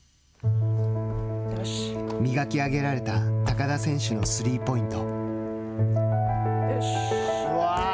磨き上げられた高田選手のスリーポイント。